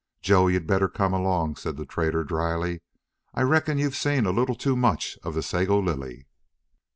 "Joe, you'd better come along," said the trader, dryly. "I reckon you've seen a little too much of the Sago Lily."